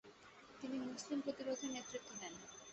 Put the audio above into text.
তিনি মুসলিম প্রতিরোধের নেতৃত্ব দেন।